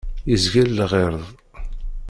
Yezgel lɣerḍ.